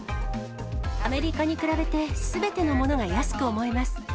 アメリカに比べて、すべてのものが安く思えます。